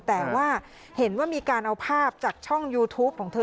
แต่ว่าเห็นว่ามีการเอาภาพจากช่องยูทูปของเธอ